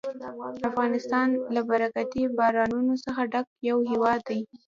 افغانستان له برکتي بارانونو څخه ډک یو هېواد دی.